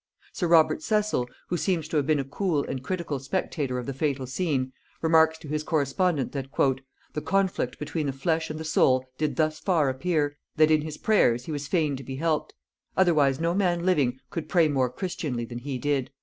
Sir Robert Cecil, who seems to have been a cool and critical spectator of the fatal scene, remarks to his correspondent that "the conflict between the flesh and the soul did thus far appear, that in his prayers he was fain to be helped; otherwise no man living could pray more christianly than he did."